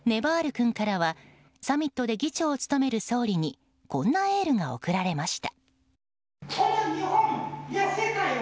君からはサミットで議長を務める総理にこんなエールが送られました。